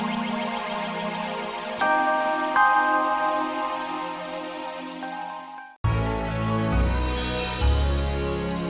nih lihat ya gue mau kasih tau lo sesuatu